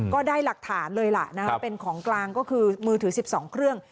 ก็ได้หลักฐานเลยล่ะนะครับเป็นของกลางก็คือมือถือ๑๒เครื่อง